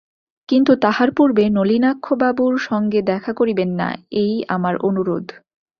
কিন্তু তাহার পূর্বে নলিনাক্ষবাবুর সঙ্গে দেখা করিবেন না, এই আমার অনুরোধ।